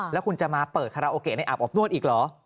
แล้วคุณจะมาเปิดคาราโอเกะในอาบอบนวดอีกเหรอ